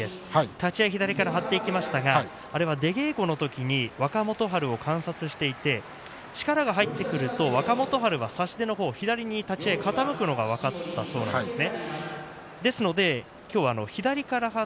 立ち合い左から張っていきましたが出稽古の時に若元春を観察していて力が入ってくると若元春は差し手が左の方に傾くのが分かったそうなんですね。